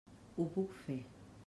Ho puc fer.